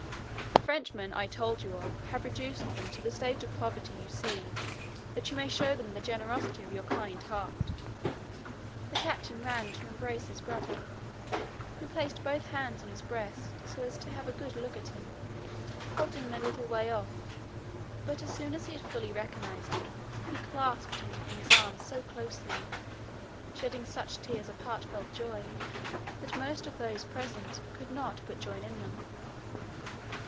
The Frenchmen I told you of have reduced them to the state of poverty you see that you may show the generosity of your kind heart." The captain ran to embrace his brother, who placed both hands on his breast so as to have a good look at him, holding him a little way off but as soon as he had fully recognised him he clasped him in his arms so closely, shedding such tears of heartfelt joy, that most of those present could not but join in them.